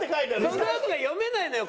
そのあとが読めないのよ